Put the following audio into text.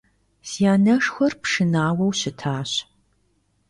Си анэшхуэр пшынауэу щытащ.